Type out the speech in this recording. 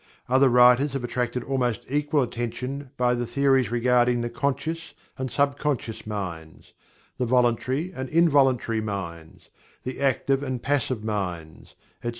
Other writers have attracted almost equal attention by the theories regarding the "conscious and subconscious minds"; the "voluntary and involuntary minds"; "the active and passive minds," etc.